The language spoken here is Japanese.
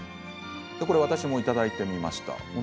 これ、私もいただいてみました。